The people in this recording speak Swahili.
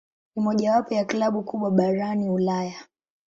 Ni mojawapo ya klabu kubwa barani Ulaya.